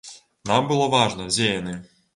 Нам было важна, дзе яны.